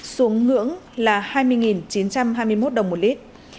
xuống ngưỡng là hai mươi chín trăm hai mươi một đồng một lít